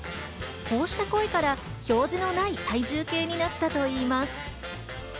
こうした声から表示のない体重計になったといいます。